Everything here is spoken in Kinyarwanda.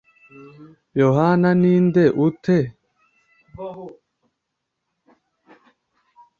yohana ni nde ute?